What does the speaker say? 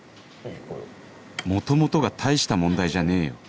元々が大した問題じゃねえよ